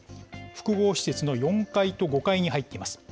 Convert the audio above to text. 複合施設の４階と５階に入っています。